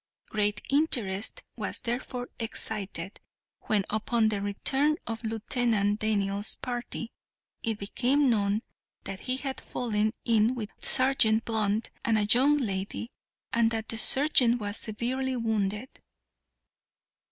Great interest was therefore excited when, upon the return of Lieutenant Daniels' party, it became known that he had fallen in with Sergeant Blunt and a young lady, and that the sergeant was severely wounded.